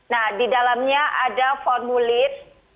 nah di dalamnya ada formulir